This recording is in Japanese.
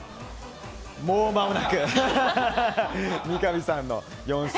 もうまもなくと。